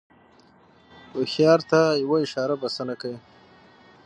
هوښیار ته یوه اشاره بسنه کوي.